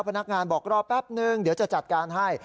พนักงานบอกรอแป๊บนึงเดี๋ยวจะจัดการให้